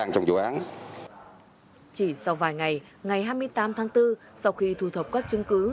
chỉ sau vài ngày ngày hai mươi tám tháng bốn sau khi thu thập các chứng cứ